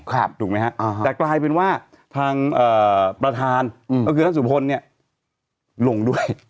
ครับถูกไหมฮะอ่าแต่กลายเป็นว่าทางอ่าประธานอืมก็คือท่านสุพลเนี้ยลงด้วย